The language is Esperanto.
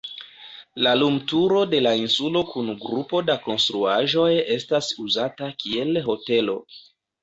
La lumturo de la insulo kun grupo da konstruaĵoj etas uzata kiel hotelo.